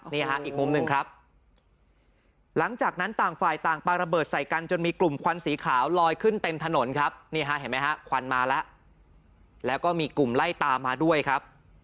นี่ฮะอีกมุมหนึ่งครับหลังจากนั้นต่างฝ่ายต่างปลาระเบิดใส่กันจนมีกลุ่มควันสีขาวลอยขึ้นเต็มถนนครับนี่ฮะเห็นไหมฮะควันมาแล้วแล้วก็มีกลุ่มไล่ตามมาด้วยครับ